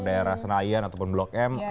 daerah senayan ataupun blok m